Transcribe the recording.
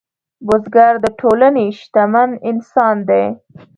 بزګر د ټولنې شتمن انسان دی